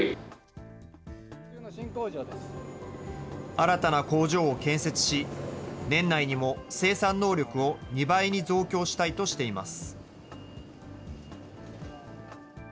新たな工場を建設し、年内にも生産能力を２倍に増強したいとしています。